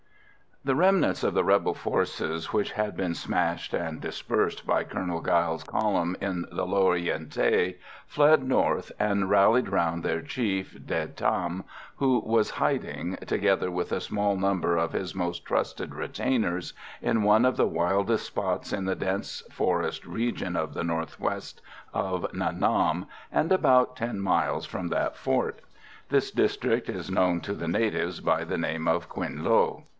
The remnants of the rebel forces, which had been smashed and dispersed by Colonel Geil's column in the lower Yen Thé, fled north and rallied round their chief, De Tam, who was hiding, together with a small number of his most trusted retainers, in one of the wildest spots in the dense forest region of the north west of Nha Nam, and about 10 miles from that fort. This district is known to the natives by the name of Quinh Low.